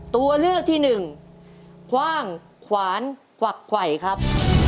ตัวเลือกที่หนึ่งคว่างขวานกวักไขวครับ